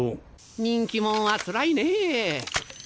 人気者はつらいねぇ。